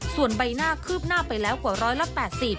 ส่วนใบหน้าคืบหน้าไปแล้วกว่าร้อยละ๘๐